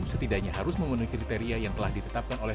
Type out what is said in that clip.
setidaknya harus memenuhi kriteria yang telah ditetapkan oleh